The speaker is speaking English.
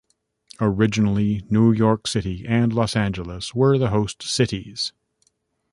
Originally New York City and Los Angeles were the host cities.